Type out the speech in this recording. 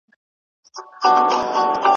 او زیاتره ښه لګیږي.